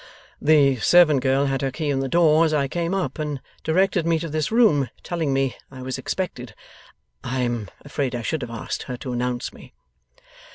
'The servant girl had her key in the door as I came up, and directed me to this room, telling me I was expected. I am afraid I should have asked her to announce me.